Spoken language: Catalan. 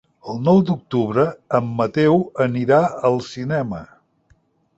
El nou d'octubre en Mateu anirà al cinema.